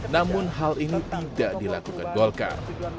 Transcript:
namun hal ini tidak dilakukan golkar